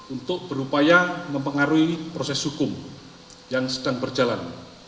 untuk berupaya mempengaruhi proses hukum yang sedang berjalan